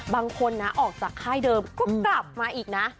บางคนนะออกจากค่ายเดิมก็กลับมาอีกนะ